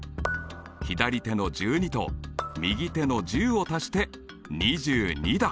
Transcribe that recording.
左手の１２と右手の１０を足して２２だ。